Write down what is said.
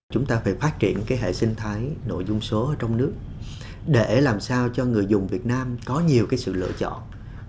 chúng ta phải phát triển hệ sinh thái nội dung số trong nước để làm sao cho người dùng việt nam có nhiều sự lựa chọn